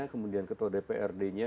kemudian ketua dprd nya